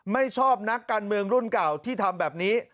ไม่ชอบนักการเมืองรุ่นเก่าที่ทำแบบนี้